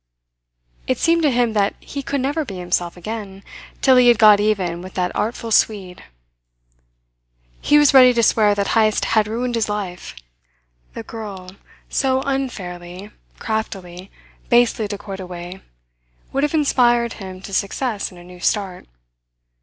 It seemed to him that he could never be himself again till he had got even with that artful Swede. He was ready to swear that Heyst had ruined his life. The girl so unfairly, craftily, basely decoyed away would have inspired him to success in a new start.